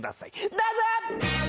どうぞ！